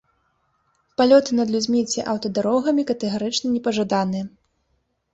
Палёты над людзьмі ці аўтадарогамі катэгарычна не пажаданыя.